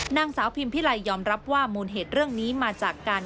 นางสาวพิมพิไลยอมรับว่ามูลเหตุเรื่องนี้มาจากการ